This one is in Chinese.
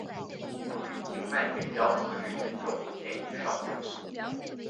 由于静脉给药可致严重现已少用。